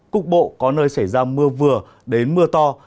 cục bộ có nơi xảy ra mưa vừa đến mưa to